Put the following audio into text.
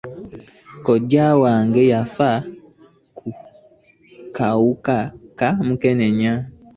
Kojja wange yaffa kawuka ka mukenenya.